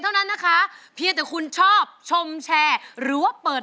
ร้องได้ให้ร้าน